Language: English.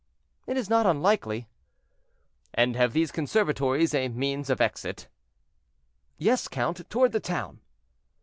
"It is not unlikely." "And have these conservatories a means of exit?" "Yes, count, toward the town."